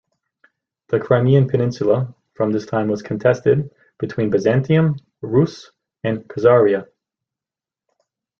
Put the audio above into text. The Crimean peninsula from this time was contested between Byzantium, Rus' and Khazaria.